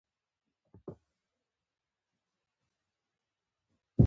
ویل زما پر وینا غوږ نیسۍ مرغانو